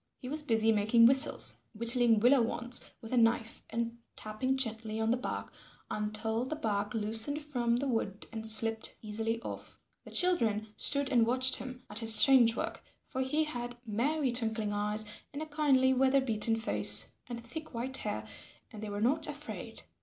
He was busy making whistles, whittling willow wands with a knife and tapping gently on the bark until the bark loosened from the wood and slipped easily off. The children stood and watched him at his strange work, for he had merry twinkling eyes, and a kindly weather beaten face, and thick white hair, and they were not afraid.